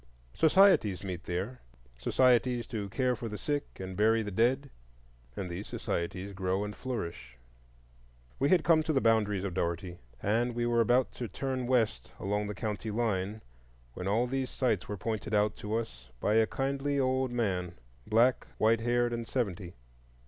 Societies meet there,—societies "to care for the sick and bury the dead"; and these societies grow and flourish. We had come to the boundaries of Dougherty, and were about to turn west along the county line, when all these sights were pointed out to us by a kindly old man, black, white haired, and seventy.